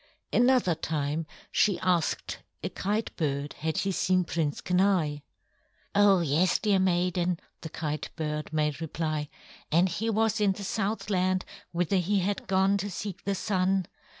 Another time she asked a Kite bird had he seen Prince Kenai. "Oh, yes, dear maiden," the Kite bird made reply. "And he was in the Southland, whither he had gone to seek the Sun.